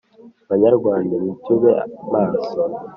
banyarwanda nitube maso